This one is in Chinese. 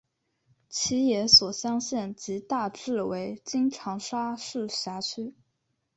其治所湘县即大致为今长沙市辖区。